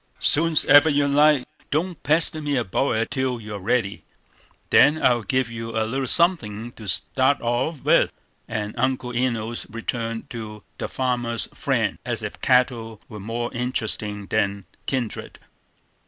"Soon's ever you like. Don't pester me about it till you're ready; then I'll give you a little suthing to start off with." And Uncle Enos returned to "The Farmer's Friend," as if cattle were more interesting than kindred.